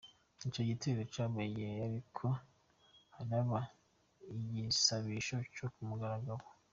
Ico gitero cabaye igihe hariko haraba igisabisho co kumugoroba.